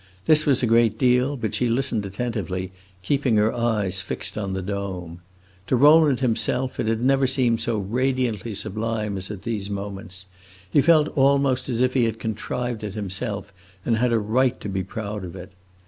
This was a great deal, but she listened attentively, keeping her eyes fixed on the dome. To Rowland himself it had never seemed so radiantly sublime as at these moments; he felt almost as if he had contrived it himself and had a right to be proud of it.